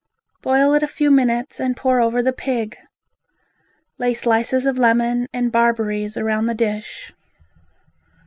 Boil it a few minutes and pour over the pig. Lay slices of lemon and barberries round the dish.